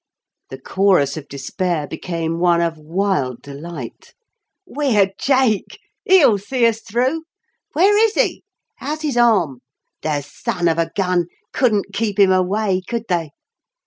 The chorus of despair became one of wild delight. "We're jake!" "He'll see us through." "Where is he?" "How's his arm?" "The son of a gun! Couldn't keep him away, could they?"